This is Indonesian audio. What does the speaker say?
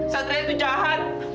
satria itu jahat